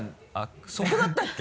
そこだったっけ？